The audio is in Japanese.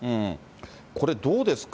これ、どうですか。